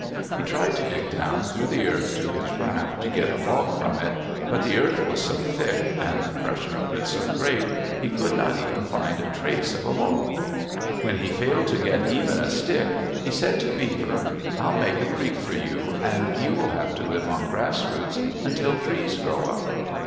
He tried to dig down through the earth to his raft, to get a log from it; but the earth was so thick, and the pressure of it so great, he could not even find a trace of a log. When he failed to get even a stick, he said to Beaver, "I'll make a creek for you, and you will have to live on grass roots until trees grow up."